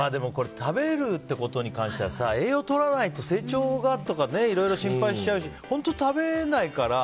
食べるってことに関しては栄養をとらないと成長がとかいろいろ心配しちゃうし本当食べないから。